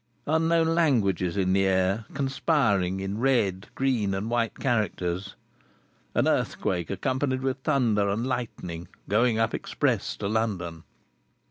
Unknown languages in the air, conspiring in red, green, and white characters. An earthquake accompanied with thunder and lightning, going up express to London.